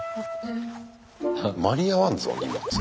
間に合わんぞ荷物。